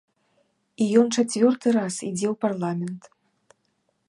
І ён чацвёрты раз ідзе ў парламент!